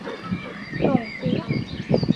ส่งเสียง